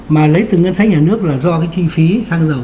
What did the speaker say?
mà lấy từ ngân sách nhà nước là do cái chi phí sang dầu